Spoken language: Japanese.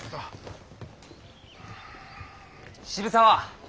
渋沢！